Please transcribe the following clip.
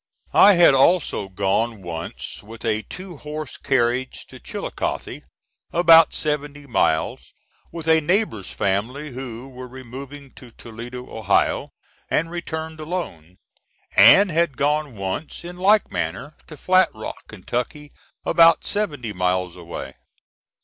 I had also gone once with a two horse carriage to Chilicothe, about seventy miles, with a neighbor's family, who were removing to Toledo, Ohio, and returned alone; and had gone once, in like manner, to Flat Rock, Kentucky, about seventy miles away.